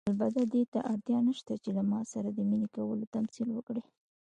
البته دې ته اړتیا نشته چې له ما سره د مینې کولو تمثیل وکړئ.